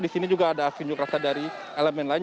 di sini juga ada aksi unjuk rasa dari elemen lain